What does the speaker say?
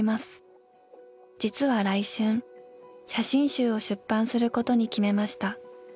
実は来春写真集を出版することに決めました。